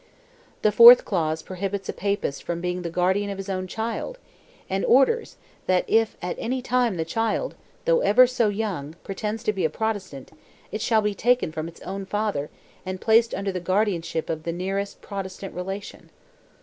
The fourth clause prohibits a Papist from being the guardian of his own child; and orders, that if at any time the child, though ever so young, pretends to be a Protestant, it shall be taken from its own father, and placed under the guardianship of the nearest Protestant relation.